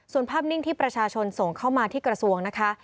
ส่วนภาพนิ่งที่ประชาชนส่งเข้ามาที่กระทรวงนะคะ